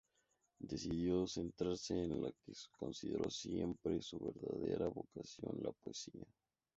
Decidió centrarse en lo que consideró siempre su verdadera vocación: la poesía.